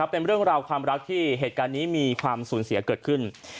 เป็นเรื่องราวความรักที่เหตุการณ์นี้มีความสูญเสียเกิดขึ้น